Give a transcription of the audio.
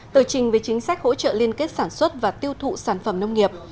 tờ trình về chính sách hỗ trợ liên kết sản xuất và tiêu thụ sản phẩm nông nghiệp